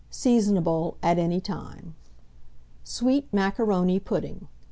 Seasonable at any time. SWEET MACARONI PUDDING.